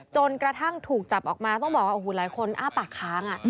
จนกระทั่งถูกจับออกมาต้องบอกว่าโอ้โหหลายคนอ้าปากค้าง